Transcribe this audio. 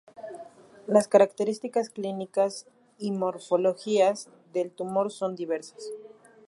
Las características clínicas y morfologías del tumor son diversas.